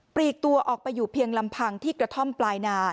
ลีกตัวออกไปอยู่เพียงลำพังที่กระท่อมปลายนา